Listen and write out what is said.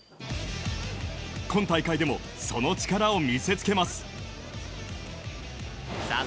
今大会でもその力を見せつけます。